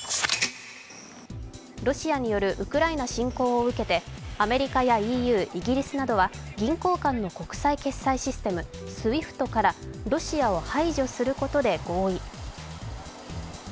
ロシアによるウクライナ侵攻を受けてアメリカやＥＵ、イギリスなどは銀行間の国際決済システムＳＷＩＦＴからロシアを排除することで合意。